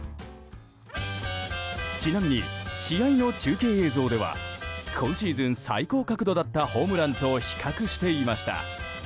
ちなみに試合の中継映像では今シーズン最高角度だったホームランと比較していました。